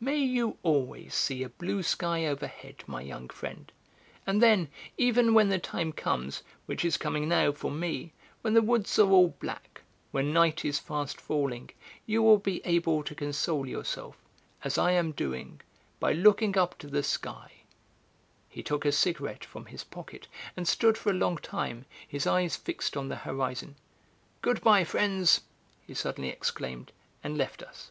May you always see a blue sky overhead, my young friend; and then, even when the time comes, which is coming now for me, when the woods are all black, when night is fast falling, you will be able to console yourself, as I am doing, by looking up to the sky." He took a cigarette from his pocket and stood for a long time, his eyes fixed on the horizon. "Goodbye, friends!" he suddenly exclaimed, and left us.